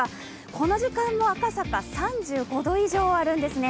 この時間の赤坂３５度以上あるんですね。